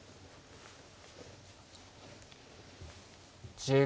１０秒。